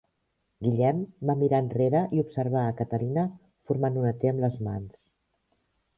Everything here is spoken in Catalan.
Guillem va mirar enrere i observà a Catalina formant una T amb les mans.